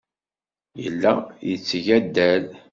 Yella yetteg addal.